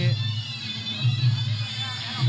ซ้ายกับขวาครับคู่นี้